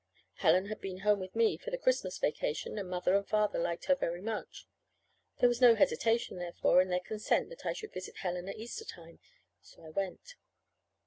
Helen had been home with me for the Christmas vacation, and Mother and Father liked her very much. There was no hesitation, therefore, in their consent that I should visit Helen at Easter time. So I went.